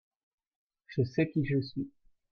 Je sais qui je suis.